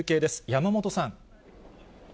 山本さん。